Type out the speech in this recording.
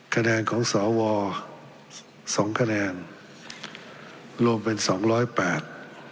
คะแนนของสอวอสองคะแนนรวมเป็นสองร้อยแปด